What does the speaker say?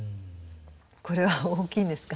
これは大きいんですか？